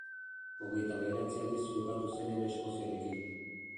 Hogeita bederatzi aldiz jokatu zen ere Eskoziarekin.